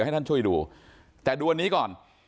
แต่ดูวันนี้ก่อน